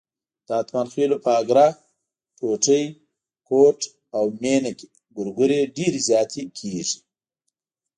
د اتمانخېلو په اګره، ټوټی، کوټ او مېنه کې ګورګورې ډېرې زیاتې کېږي.